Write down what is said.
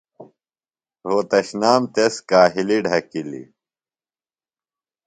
رھوتشنام تس کاہِلیۡ ڈھکِلیۡ۔